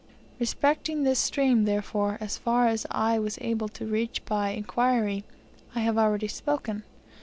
Respecting this stream, therefore, as far as I was able to reach by inquiry, I have already spoken.